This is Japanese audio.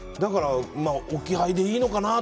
置き配でいいのかなって。